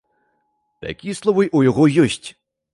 Такія словы ў яго ёсць.